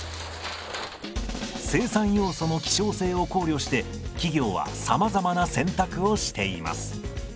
生産要素の希少性を考慮して企業はさまざまな選択をしています。